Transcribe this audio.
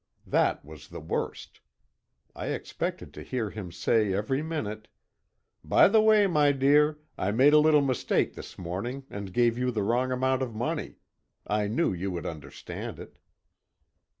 That was the worst. I expected to hear him say every minute: "By the way, my dear, I made a little mistake this morning, and gave you the wrong amount of money. I knew you would understand it."